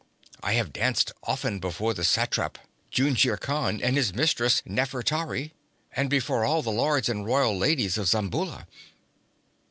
I have danced often before the satrap, Jungir Khan, and his mistress Nafertari, and before all the lords and royal ladies of Zamboula.